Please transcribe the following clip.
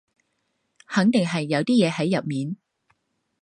肯定係有啲嘢喺入面